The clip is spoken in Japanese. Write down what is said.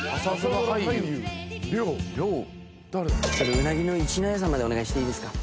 うなぎのいちのやさんまでお願いしていいですか？